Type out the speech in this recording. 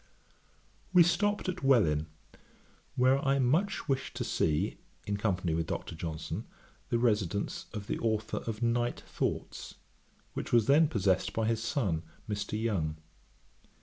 We stopped at Welwyn, where I wished much to see, in company with Dr. Johnson, the residence of the authour of Night Thoughts, which was then possessed by his son, Mr. Young.